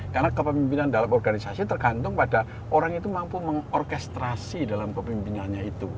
karena kepemimpinan dalam organisasi tergantung pada orang itu mampu mengorkestrasi dalam kepimpinannya itu